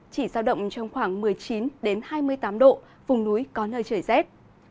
chỉ giao động trong khoảng một mươi chín hai mươi tám độ vùng núi có nơi trời rét